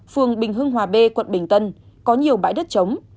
phường bình hương hòa b quận bình tân có nhiều bãi đất trống